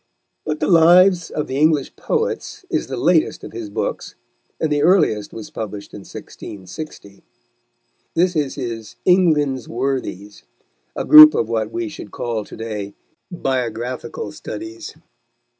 But the Lives of the English Poets is the latest of his books, and the earliest was published in 1660. This is his England's Worthies, a group of what we should call to day "biographical studies."